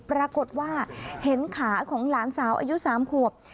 ปรากฏว่าเห็นขาของหลานสาวอายุ๓ขวบ